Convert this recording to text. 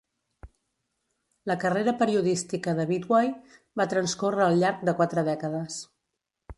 La carrera periodística de Bidwai va transcórrer al llarg de quatre dècades.